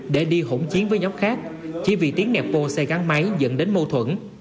để đi hỗn chiến với nhóc khác chỉ vì tiếng nẹp bồ xe gắn máy dẫn đến mâu thuẫn